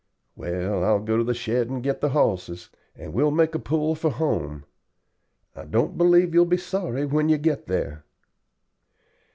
Well, I'll go to the shed and get the hosses, and we'll make a pull for home. I don't believe you'll be sorry when you get there."